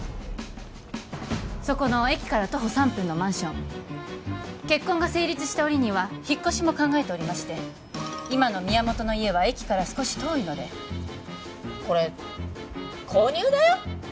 そこの駅から徒歩３分のマンション結婚が成立した折には引っ越しも考えておりまして今の宮本の家は駅から少し遠いのでこれ購入だよ